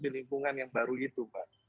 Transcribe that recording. di lingkungan yang baru itu pak